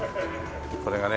これがね。